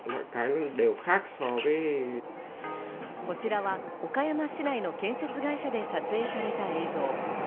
こちらは岡山市内の建設会社で撮影された映像。